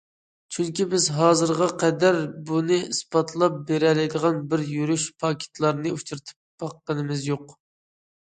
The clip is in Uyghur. چۈنكى بىز ھازىرغا قەدەر بۇنى ئىسپاتلاپ بېرەلەيدىغان بىر يۈرۈش پاكىتلارنى ئۇچرىتىپ باققىنىمىز يوق.